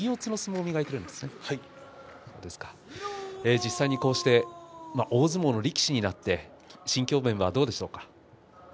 実際に大相撲の力士になって心境面はどうでしょうか？